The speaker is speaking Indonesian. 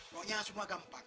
pokoknya semua gampang